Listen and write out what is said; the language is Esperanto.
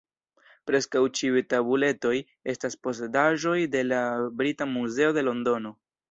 Preskaŭ ĉiuj tabuletoj estas posedaĵoj de la Brita Muzeo de Londono.